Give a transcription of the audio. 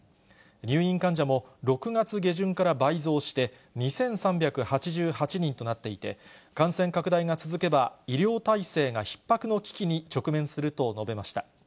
入院患者も６月下旬から倍増して、２３８８人となっていて、感染拡大が続けば、医療体制がひっ迫の危機に直面すると述べました。